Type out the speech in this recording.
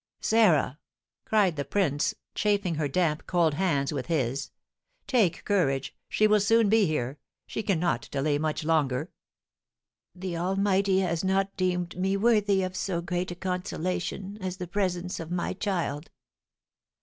"Sarah!" cried the prince, chafing her damp, cold hands with his. "Take courage, she will soon be here; she cannot delay much longer!" "The Almighty has not deemed me worthy of so great a consolation as the presence of my child!"